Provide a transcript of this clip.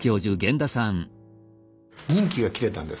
任期が切れたんです。